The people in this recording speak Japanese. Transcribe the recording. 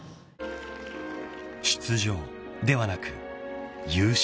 ［出場ではなく優勝。